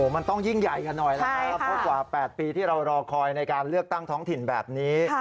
มันต้องยิ่งใหญ่กันหน่อยนะครับเพราะกว่า๘ปีที่เรารอคอยในการเลือกตั้งท้องถิ่นแบบนี้